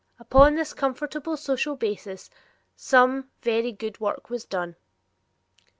Upon this comfortable social basis some very good work was done.